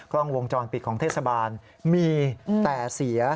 กล้องวงจรปิดของเทศบาลมีแต่เสีย